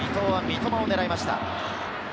伊東は三笘を狙いました。